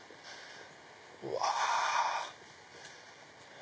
うわ！